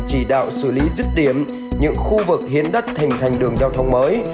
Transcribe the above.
chỉ đạo xử lý rứt điểm những khu vực hiến đất hình thành đường giao thông mới